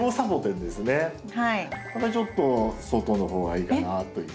これちょっと外の方がいいかなという。